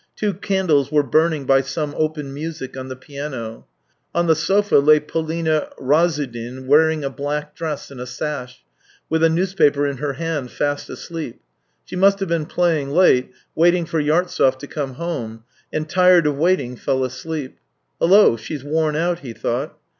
Two candles were burning by some open music on the piano. On the sofa lay Polina Razsudin wearing a black dress and a sash, with a newspaper in her hand, fast asleep. She must have been playing late, waiting for Yartsev to come home, and, tired of waiting, fell asleep. " Hullo, she's worn out," he thought.